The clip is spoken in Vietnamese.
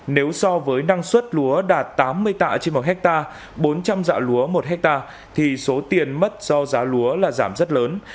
nếu so với năng suất lúa đạt tám mươi tạ trên một hectare bốn trăm linh dạ lúa một hectare thì số tiền mất do giá lúa là giảm rất lớn